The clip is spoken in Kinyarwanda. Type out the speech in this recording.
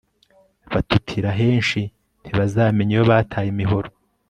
batutira henshi ntibazamenya iyo bataye imihoro